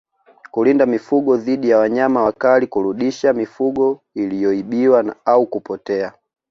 Kulinda mifugo dhidi ya wanyama wakali kurudisha mifugo iliyoibiwa au kupotea